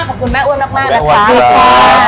ขอบคุณค่ะ